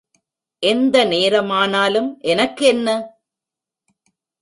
எந்த நேரமானாலும் எனக்கு என்ன?